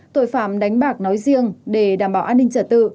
tội phạm đánh bạc nói riêng để đảm bảo an ninh trật tự